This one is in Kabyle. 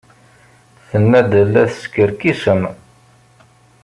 Tenna-d la teskerkisem.